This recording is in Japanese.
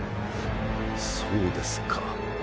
そうですか。